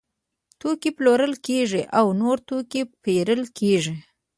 توکي پلورل کیږي او نور توکي پیرل کیږي.